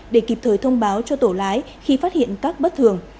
để kịp thời thông báo cho tổ lái khi phát hiện các bất thường